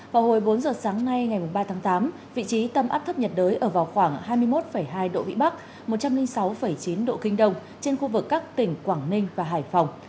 vào hồi bốn giờ sáng nay ngày ba tháng tám vị trí tâm áp thấp nhiệt đới ở vào khoảng hai mươi một hai độ vĩ bắc một trăm linh sáu chín độ kinh đông trên khu vực các tỉnh quảng ninh và hải phòng